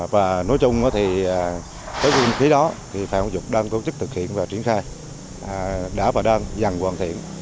và nói chung thì tới nguồn kinh phí đó thì phạm dục đơn công chức thực hiện và triển khai đã và đang dần hoàn thiện